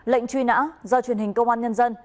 lệnh truy nã do truyền hình công an nhân dân